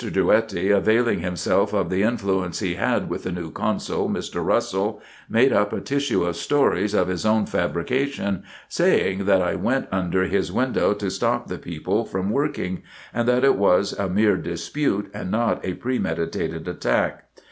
Drouetti, availing himself of the influence he had with the new consul, Mr. Russel, made up a tissue of stories of his own fabrication, saying, that I went under his window to stop the people from working ; and that it was a mere dispute, and not a premeditated attack.